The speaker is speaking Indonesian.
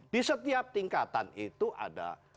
di setiap tingkatan itu ada